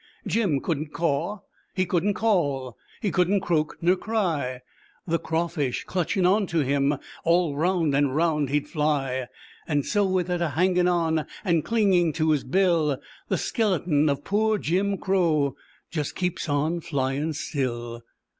Jim couldn't caw, he couldn't call, He couldn't croak ner cry; The Craw Fish clutchin' onto him, All 'round and 'round he'd fly. And so with it a hangin' on And clingin' to his bill. The skeleton of poor Jim Crow Just keeps on flyin' still.